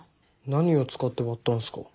何を使って割ったんすか？